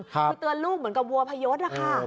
คือเตือนลูกเหมือนกับวัวพยศนะคะ